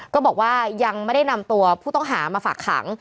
ก็บอกว่ายังไม่ได้นำตัวผู้ต้องหามาฝากขัง